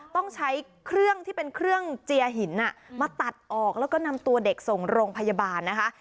ต้องใช้เครื่องเจียหินมาตัดออกแล้วก็นำตัวเด็กส่งลงพยาบาลนะคะ